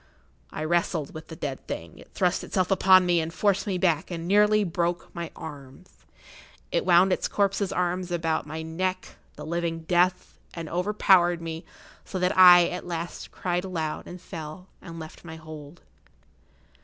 I wrestled with the dead thing; it thrust itself upon me and forced me back and nearly broke my arms; it wound its corpse's arms about my neck, the living death, and overpowered me, so that I, at last, cried aloud and fell, and left my hold.